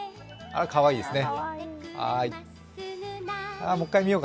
あ、かわいいですね。